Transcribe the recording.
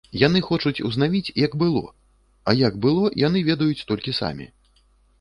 Яны хочуць узнавіць, як было, а як было яны ведаюць толькі самі.